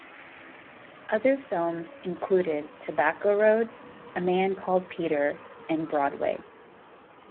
Other films included "Tobacco Road", "A Man Called Peter", and "Broadway".